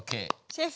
シェフ。